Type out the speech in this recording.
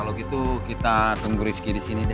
oke kalo gitu kita tunggu rizky disini deh